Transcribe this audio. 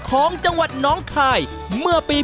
ของจังหวัดน้องคายเมื่อปี๒๕